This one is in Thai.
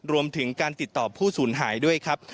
รวมถึงการติดต่อผู้สูญหายด้วยครับ